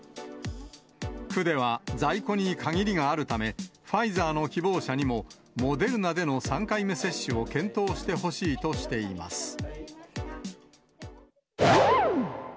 区では在庫に限りがあるため、ファイザーの希望者にも、モデルナでの３回目接種を検討してほしいとしています。